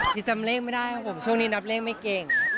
คือจำเลขไม่ได้ครับผมช่วงนี้นับเลขไม่เก่ง